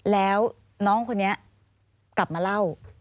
แล้วน้องคนนี้กลับมาเล่า